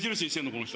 この人。